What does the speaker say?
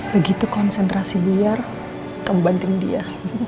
begitu konsentrasi buyar kamu banting dia